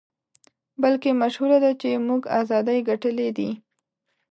بلکې مشهوره ده چې موږ ازادۍ ګټلې دي.